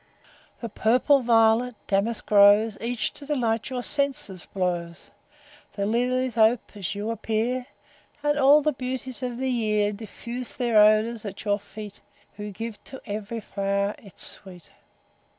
III. The purple violet, damask rose, Each, to delight your senses, blows. The lilies ope', as you appear; And all the beauties of the year Diffuse their odours at your feet, Who give to ev'ry flow'r its sweet.